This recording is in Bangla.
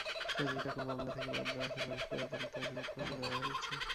কাজেই তাঁকে মামলা থেকে বাদ দেওয়ার সুপারিশ করে আদালতে অভিযোগপত্র দেওয়া হয়েছে।